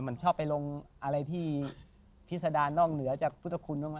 มันชอบไปลงอะไรที่พิษดานอกเหนือจากพุทธคุณบ้างไหม